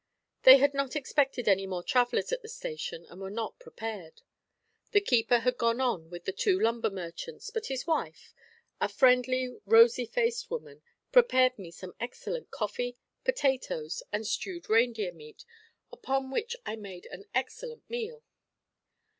They had not expected any more travellers at the station, and were not prepared. The keeper had gone on with the two lumber merchants; but his wife a friendly, rosy faced woman prepared me some excellent coffee, potatoes, and stewed reindeer meat, upon which I made an excellent meal.